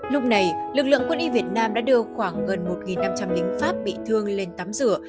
lúc này lực lượng quân y việt nam đã đưa khoảng gần một năm trăm linh lính pháp bị thương lên tắm rửa